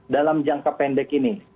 dalam jangka pendek ini